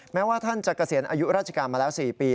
แม้ว่าท่านจะเกษียณอายุราชการมาแล้ว๔ปี